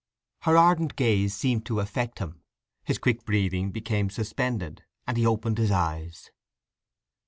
Her ardent gaze seemed to affect him; his quick breathing became suspended, and he opened his eyes.